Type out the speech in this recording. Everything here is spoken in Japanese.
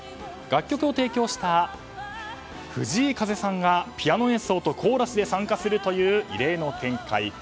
楽曲を提供した藤井風さんがピアノ演奏とコーラスで参加するという異例の展開。